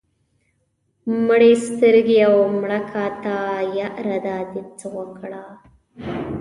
مړې سترګې او مړه کاته ياره دا دې څه اوکړه